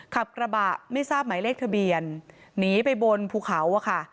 ขับกระบะไม่ทราบหมายเลขทะเบียนหนีไปบนภูเขาอะค่ะ